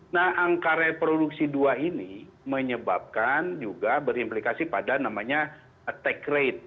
nah angka reproduksi dua ini menyebabkan juga berimplikasi pada namanya attack rate